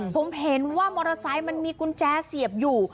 ผมเห็นว่ามอเตอร์ไซค์มันมีกุญแจเสียบอยู่